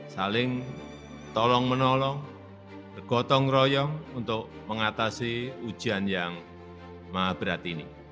saling tolong menolong bergotong royong untuk mengatasi ujian yang maha berat ini